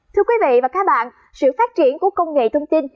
thưa quý vị và các bạn sự phát triển của công nghệ thông tin